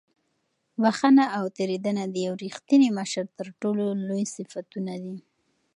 بښنه او تېرېدنه د یو رښتیني مشر تر ټولو لوی صفتونه دي.